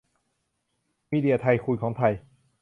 มีเดียไทคูนของไทย